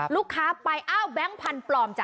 ลูกค้าไปอ้าวแบงค์พันธุ์ปลอมจ้